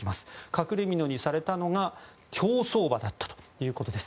隠れ蓑にされたのが競走馬だったということです。